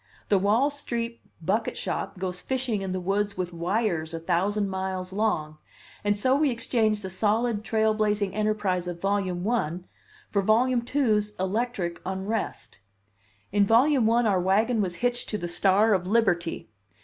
The Wall Street bucket shop goes fishing in the woods with wires a thousand miles long; and so we exchange the solid trailblazing enterprise of Volume One for Volume Two's electric unrest. In Volume One our wagon was hitched to the star of liberty.